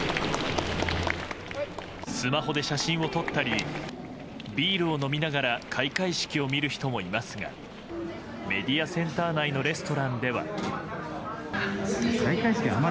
スマホで写真を撮ったりビールを飲みながら開会式を見る人もいますがメディアセンター内のレストランでは。